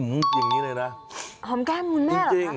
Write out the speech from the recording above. เฮ้ยยังอย่างนี้เลยน่ะ